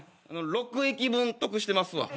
６駅分得してますわ。